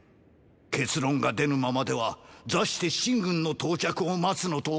結論が出ぬままでは座して秦軍の到着を待つのと同じです。